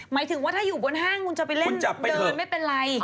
หมายถึงว่าถ้าอยู่บนห้างคุณจะไปเล่นเดินไม่เป็นไร